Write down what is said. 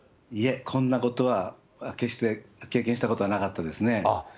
いえ、こんなことは決して経験したことはなかったですね。